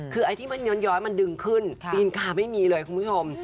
คือไอ้ที่มันย้อนมันดึงขึ้นตีนกาไม่มีเลยคุณผู้ชม